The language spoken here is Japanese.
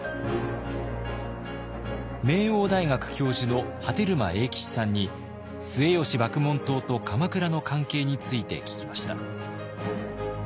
名桜大学教授の波照間永吉さんに末吉麦門冬と鎌倉の関係について聞きました。